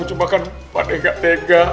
cuma kan pak d gak tega